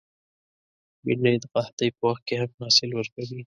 بېنډۍ د قحطۍ په وخت کې هم حاصل ورکوي